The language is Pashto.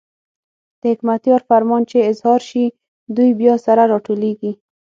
د حکمتیار فرمان چې اظهار شي، دوی بیا سره راټولېږي.